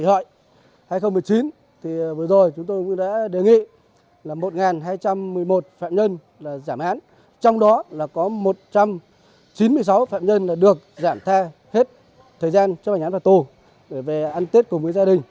trong dịp tết nguyên đán kỷ hội hai nghìn một mươi chín vừa rồi chúng tôi đã đề nghị là một hai trăm một mươi một phạm nhân giảm án trong đó là có một trăm chín mươi sáu phạm nhân được giảm tha hết thời gian cho bành án và tô để về ăn tết cùng với gia đình